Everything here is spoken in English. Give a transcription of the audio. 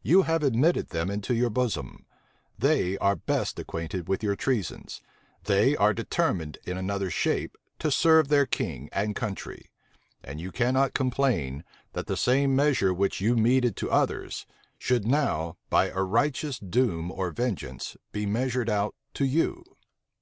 You have admitted them into your bosom: they are best acquainted with your treasons: they are determined in another shape to serve their king and country: and you cannot complain, that the same measure which you meted to others, should now, by a righteous doom or vengeance, be measured out to you."